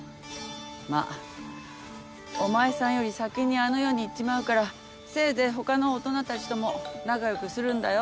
まあお前さんより先にあの世にいっちまうからせいぜい他の大人たちとも仲良くするんだよ。